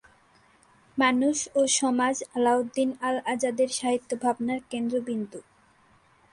মানুষ ও সমাজ আলাউদ্দিন আল আজাদের সাহিত্য ভাবনার কেন্দ্রবিন্দু।